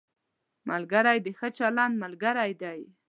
ملګری د ښه چلند ملګری دی